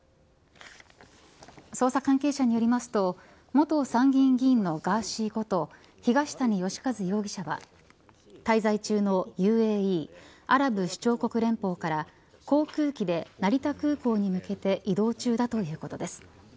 捜査関係者によりますと元参議院議員のガーシーこと東谷義和容疑者は滞在中のＵＡＥアラブ首長国連邦から航空機で成田空港に向けて移動中だということです。